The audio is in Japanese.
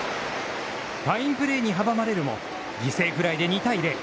ファインプレーに阻まれるも犠牲フライで２対０。